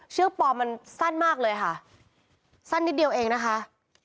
ปลอมมันสั้นมากเลยค่ะสั้นนิดเดียวเองนะคะ